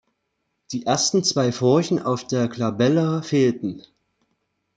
Die ersten zwei Furchen auf der Glabella fehlten.